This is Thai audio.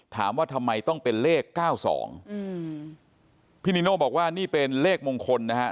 ถามว่าทำไมต้องเป็นเลขเก้าสองอืมพี่นิโน่บอกว่านี่เป็นเลขมงคลนะฮะ